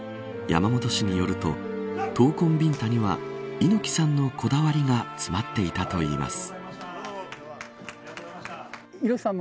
山本氏によると闘魂ビンタには猪木さんのこだわりが詰まっていたといいます。